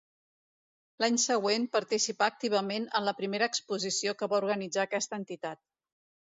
L'any següent participà activament en la primera exposició que va organitzar aquesta entitat.